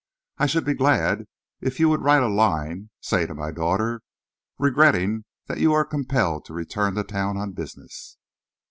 I should be glad if you would write a line, say to my daughter, regretting that you are compelled to return to town on business."